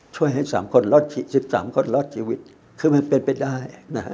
ช่วยให้๑๓คนรอดชีวิตคือมันเป็นไปได้